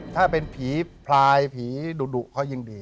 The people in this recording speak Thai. ถ้าเป็นผีพลายผีดุเขายิ่งดี